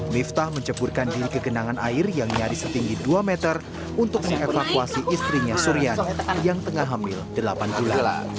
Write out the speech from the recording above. miftah menceburkan diri ke genangan air yang nyaris setinggi dua meter untuk mengevakuasi istrinya suryani yang tengah hamil delapan bulan